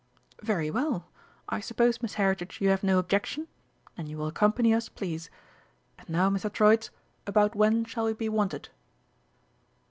"Very well; I suppose, Miss Heritage, you have no objection? Then you will accompany us, please. And now, Mr. Troitz, about when shall we be wanted?"